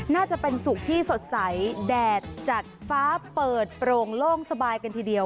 น่าจะเป็นสุกที่สดใสแดดจัดฟ้าเปิดโปร่งโล่งสบายกันทีเดียว